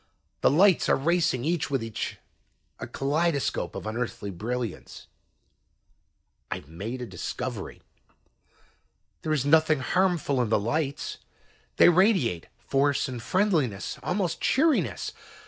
The lights are racing each with each, a kaleidoscope of unearthly brilliance. "I have made a discovery. There is nothing harmful in the lights. They radiate force and friendliness, almost cheeriness.